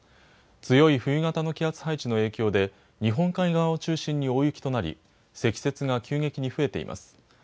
強い冬型の気圧配置の影響で日本海側を中心に大雪となり積雪が急激に増えています。